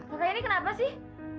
makanya ini kenapa sih